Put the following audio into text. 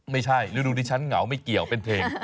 ไม่ใช่ฤดูดิฉันเหงาไม่เกี่ยวเป็นเพลง